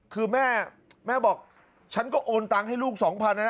คือแม่แม่บอกฉันก็โอนตังค์ให้ลูก๒๐๐นะ